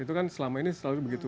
itu kan selama ini selalu begitu